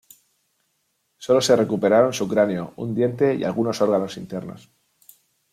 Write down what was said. Sólo se recuperaron su cráneo, un diente y algunos órganos internos.